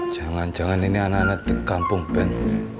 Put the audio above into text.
jangan jangan ini anak anak kampung ben